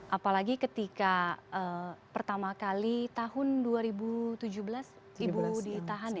apalagi ketika pertama kali tahun dua ribu tujuh belas ibu ditahan ya